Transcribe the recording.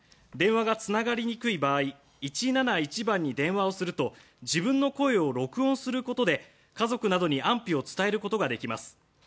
電話がつながりにくい場合１７１番に電話をすると自分の声を録音することで家族などに安否を伝えることができます。